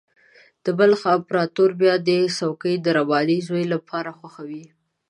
د بلخ امپراطور بیا دا څوکۍ د رباني زوی لپاره خوښوي.